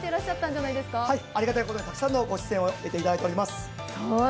はい、ありがたいことにたくさんの出演をいただいています。